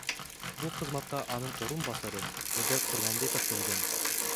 Бул кызматка анын орун басары Медер Курманбеков келген.